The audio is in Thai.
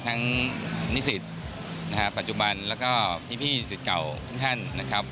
ทั้งนิสิตปัจจุบันแล้วก็พี่สิบเก่าทุกท่านนะครับ